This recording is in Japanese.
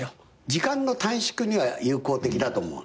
時間の短縮には有効的だと思うの。